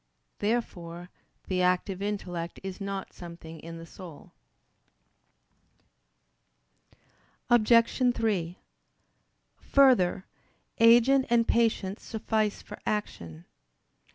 Therefore the active intellect is not something in our soul. Obj. 3: Further, agent and patient suffice for action.